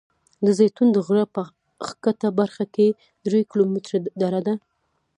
د زیتون د غره په ښکته برخه کې درې کیلومتره دره ده.